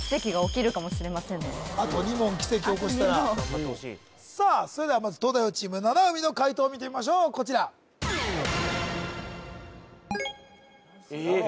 すごいなあと２問奇跡起こしたらあと２問さあそれではまず東大王チーム七海の解答を見てみましょうこちらえっ？